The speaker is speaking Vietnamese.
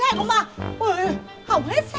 xe mà đâm vào đi đi lại không à